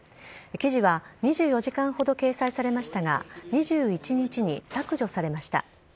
記事は２４時間ほど掲載されましたが、２１日に削除されました。